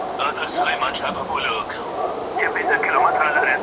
ځيني ميندي او پلرونه خپلي لوڼي ګواښي.